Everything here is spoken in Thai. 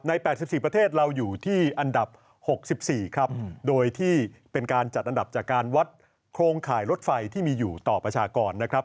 ๘๔ประเทศเราอยู่ที่อันดับ๖๔ครับโดยที่เป็นการจัดอันดับจากการวัดโครงข่ายรถไฟที่มีอยู่ต่อประชากรนะครับ